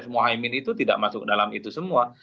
mohaimin itu tidak masuk dalam itu semua